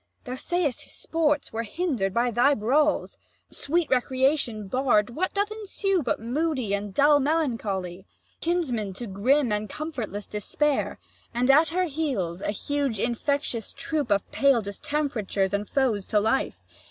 Thou say'st his sports were hinder'd by thy brawls: Sweet recreation barr'd, what doth ensue But moody and dull melancholy, Kinsman to grim and comfortless despair; 80 And at her heels a huge infectious troop Of pale distemperatures and foes to life?